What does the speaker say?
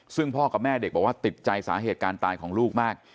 ซึ่งพ่อกับแม่เด็กบอกว่าติดใจสาเหตุการณ์ตายของลูกมาก